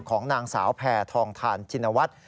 ของนางสาวแผ่ทองทานชินวัฒน์